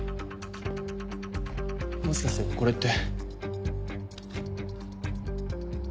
もしかしてこれって。